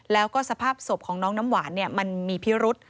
แล้วก็สภาพสวบของน้องน้ำหวานเนี่ยมันมีพิรุธ